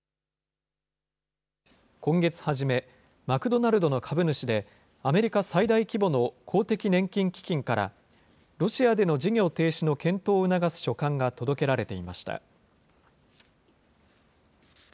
今月初め、マクドナルドの株主で、アメリカ最大規模の公的年金基金から、ロシアでの事業停止の検討を促す書簡が届けられていました。